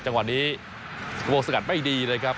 จังหวัดนี้สิงคโปร์สะกัดไม่ดีนะครับ